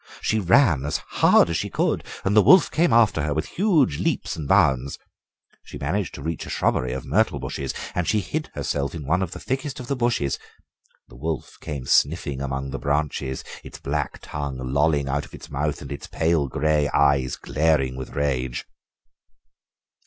She ran as hard as she could, and the wolf came after her with huge leaps and bounds. She managed to reach a shrubbery of myrtle bushes and she hid herself in one of the thickest of the bushes. The wolf came sniffing among the branches, its black tongue lolling out of its mouth and its pale grey eyes glaring with rage.